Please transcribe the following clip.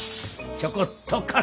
ちょこっと貸せ。